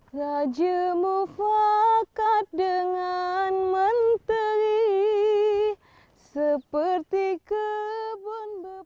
saji mufakat dengan menteri seperti kebun beban